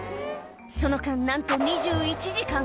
その間、なんと２１時間。